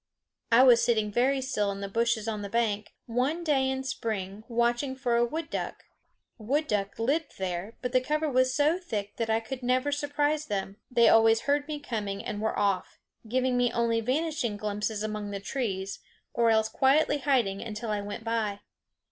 I was sitting very still in the bushes on the bank, one day in spring, watching for a wood duck. Wood duck lived there, but the cover was so thick that I could never surprise them. They always heard me coming and were off, giving me only vanishing glimpses among the trees, or else quietly hiding until I went by.